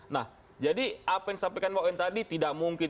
nah jadi apa yang sampaikan pak woyan tadi tidak mungkin